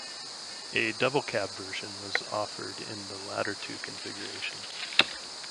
A double cab version was offered in the latter two configurations.